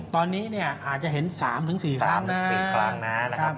ตอนนี้อาจจะเห็น๓๔ครั้งนะ